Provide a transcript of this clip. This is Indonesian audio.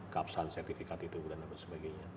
keabsahan sertifikat itu dan sebagainya